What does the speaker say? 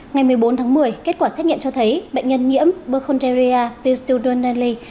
ngày một mươi bốn tháng một mươi kết quả xét nghiệm cho thấy bệnh nhân nhiễm percontaria pistodonale